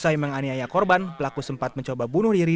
usai menganiaya korban pelaku sempat mencoba bunuh diri